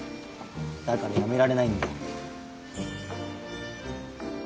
だからやめられないんだよ。